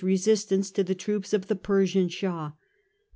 resistance to the troops of the Persian Shah.